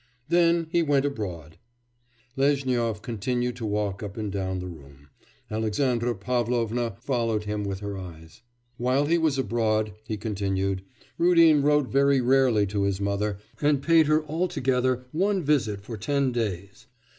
Then he went abroad....' Lezhnyov continued to walk up and down the room; Alexandra Pavlovna followed him with her eyes. 'While he was abroad,' he continued, 'Rudin wrote very rarely to his mother, and paid her altogether only one visit for ten days....